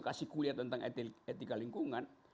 kasih kuliah tentang etika lingkungan